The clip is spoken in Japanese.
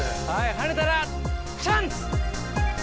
跳ねたら、チャンス！